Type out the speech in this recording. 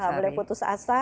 kita tidak boleh putus asa